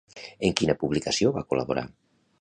En quina publicació va col·laborar?